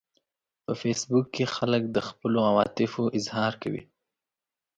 په فېسبوک کې خلک د خپلو عواطفو اظهار کوي